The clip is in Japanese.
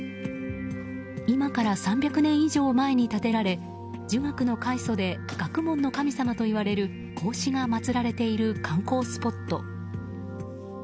今から３００年以上前に建てられ儒学の開祖で学問の神様といわれる孔子が祭られている観光スポット。